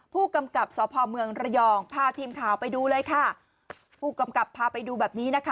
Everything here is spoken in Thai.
ผู้กำกับสพเมืองระยองพาทีมข่าวไปดูเลยค่ะผู้กำกับพาไปดูแบบนี้นะคะ